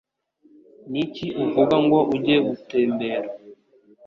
Niki uvuga ngo ujye gutembera?